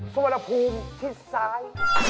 ชวนภูมิชิดซ้าย